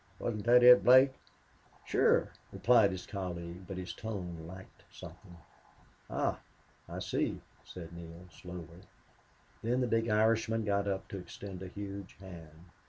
Wasn't that it, Blake?" "Sure," replied his colleague, but his tone lacked something. "Ah I see," said Neale, slowly. Then the big Irishman got up to extend a huge hand.